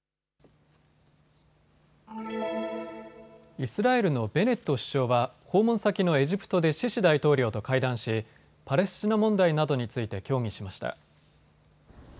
イスラエルのベネット首相は訪問先のエジプトでシシ大統領と会談しパレスチナ問題などについて協議しました。